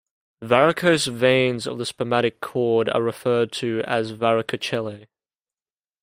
Varicose veins of the spermatic cord are referred to as varicocele.